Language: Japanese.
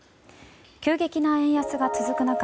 急激な円安が続く中